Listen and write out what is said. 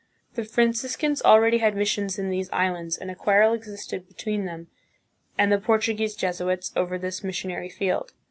The Franciscans already had missions in these islands, and a quarrel existed between them and the Portuguese Jesuits over this missionary field.